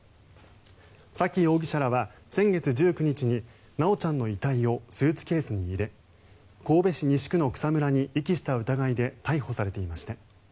沙喜容疑者らは先月１９日に修ちゃんの遺体をスーツケースに入れ神戸市西区の草むらに遺棄した疑いで逮捕されていました。